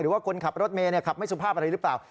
ว่าคนขับรถเมย์ขับไม่สุภาพอะไรหรือเปล่า